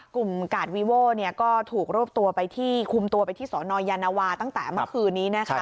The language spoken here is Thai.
กลุ่มกาดวีโว้ก็ถูกคุมตัวไปที่สนยานะวาตั้งแต่เมื่อคืนนี้